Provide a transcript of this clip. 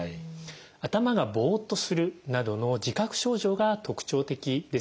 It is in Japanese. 頭がボッとするなどの自覚症状が特徴的です。